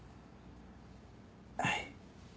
はい。